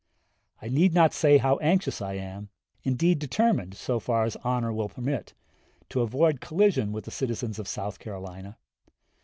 I need not say how anxious I am indeed determined, so far as honor will permit to avoid collision with the citizens of South Carolina.